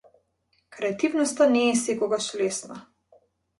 Креативноста не е секогаш лесна.